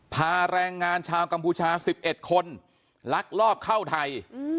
แรงงานชาวกัมพูชา๑๑คนลักลอบเข้าไทย